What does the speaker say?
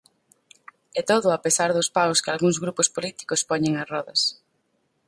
E todo a pesar dos paus que algúns grupos políticos poñen ás rodas.